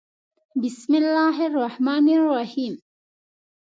《بِسْمِ اللَّـهِ الرَّحْمَـٰنِ الرَّحِيمِ》